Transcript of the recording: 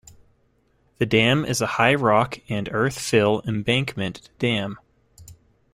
The dam is a high rock and earth-fill embankment dam.